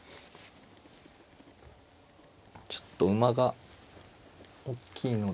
ちょっと馬が大きいので。